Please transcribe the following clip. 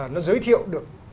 nó giới thiệu được